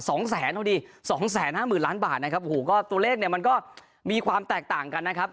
สองแสนพอดีสองแสนห้าหมื่นล้านบาทนะครับโอ้โหก็ตัวเลขเนี่ยมันก็มีความแตกต่างกันนะครับ